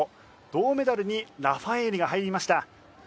銅メダルにラファエーリが入りました。